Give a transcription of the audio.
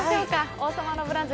「王様のブランチ」